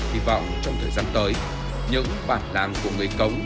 hy vọng trong thời gian tới những bản làng của người cống